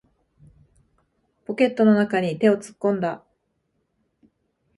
ポケットの中に手を突っ込んだ。